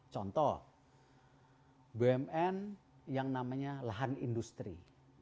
contoh bumn yang namanya lahan industri